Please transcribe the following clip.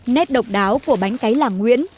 nét độc đáo của bánh cấy làng nguyễn